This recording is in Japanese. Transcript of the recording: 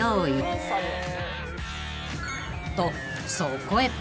［とそこへ］